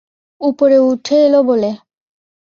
উপরে উঠে এল বলে।